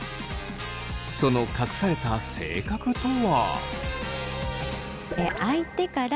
その隠された性格とは。